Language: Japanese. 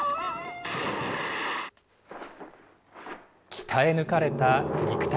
鍛え抜かれた肉体。